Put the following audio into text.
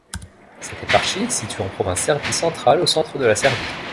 Cette éparchie est située en province Serbie centrale au centre de la Serbie.